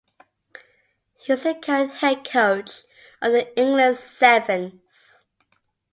He is the current Head Coach of the England Sevens.